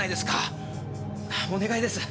お願いです。